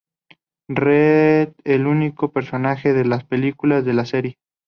Reed es el único personaje de las películas de la serie.